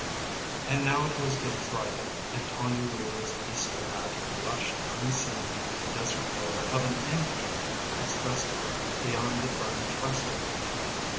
And now it was Good Friday, and Tonia Weaver's Easter hat blushed unseen in the desert air of an impotent express car, beyond the burned trestle.